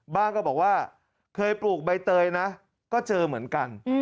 ก็บอกว่าเคยปลูกใบเตยนะก็เจอเหมือนกัน